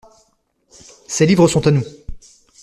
Ces livres sont à nous.